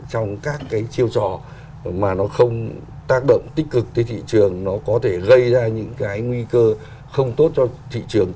trong các cái chiêu trò mà nó không tác động tích cực tới thị trường nó có thể gây ra những cái nguy cơ không tốt cho thị trường